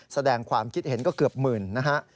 แสดงความคิดเห็นก็เกือบหมื่นนะฮะ